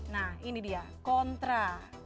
nah ini dia kontra